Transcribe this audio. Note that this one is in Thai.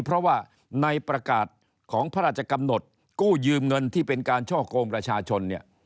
เพราะว่าในประกาศของพระราชกำหนดกู้ยืมเงินที่เป็นการช่อกงประชาชนเนี่ย